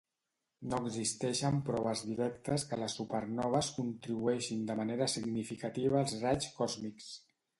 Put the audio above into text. No existeixen proves directes que les supernoves contribueixin de manera significativa als raigs còsmics.